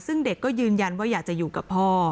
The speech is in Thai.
ซึ่งเด็กก็ยืนยันว่าอยากจะอยู่กับพ่อ